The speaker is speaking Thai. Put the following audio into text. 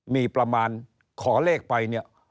มีประมาณขอเลขไป